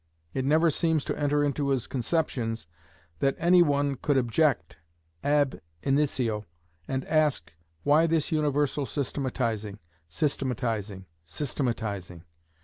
It never seems to enter into his conceptions that any one could object ab initio, and ask, why this universal systematizing, systematizing, systematizing?